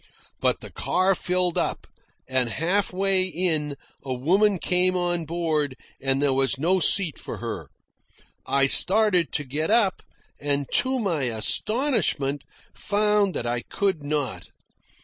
But the car filled up, and, half way in, a woman came on board, and there was no seat for her. I started to get up, and to my astonishment found that I could not.